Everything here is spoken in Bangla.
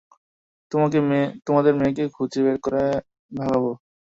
তোমাদের মেয়েকে খুঁজে বের করে ভাগবো।